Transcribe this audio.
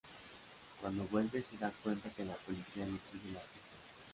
Cuando vuelve se da cuenta que la policía les sigue la pista.